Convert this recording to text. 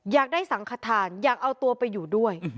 อยากได้สังขทานอยากเอาตัวไปอยู่ด้วย